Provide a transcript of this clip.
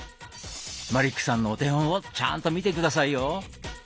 マリックさんのお手本をちゃんと見て下さいよ。